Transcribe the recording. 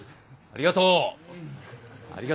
ありがとう。